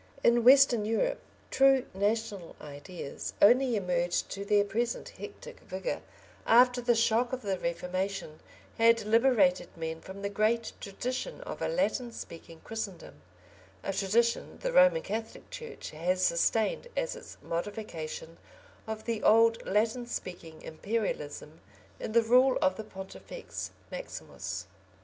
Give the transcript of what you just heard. In Western Europe true national ideas only emerged to their present hectic vigour after the shock of the Reformation had liberated men from the great tradition of a Latin speaking Christendom, a tradition the Roman Catholic Church has sustained as its modification of the old Latin speaking Imperialism in the rule of the pontifex maximus.